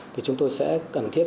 thì chúng tôi sẽ cần thiết